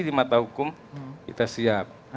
di mata hukum kita siap